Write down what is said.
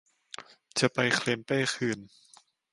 จะไปเคลมเป้คืน